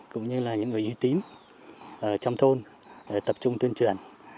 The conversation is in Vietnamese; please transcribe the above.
cũng như là những người y tín trong thôn để tập trung tuyên truyền